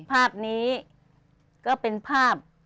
ภาพนี้ก็เป็นภาพ